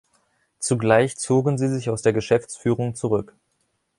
Zugleich zogen sie sich aus der Geschäftsführung zurück.